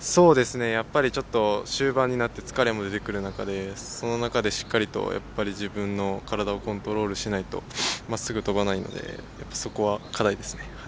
ちょっと終盤になって疲れも出てくる中でその中でしっかりと自分の体をコントロールしないとまっすぐ飛ばないのでそこは課題ですね。